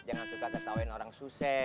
jangan suka ketawain orang suse